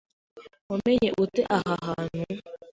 Wamenye ute aha hantu?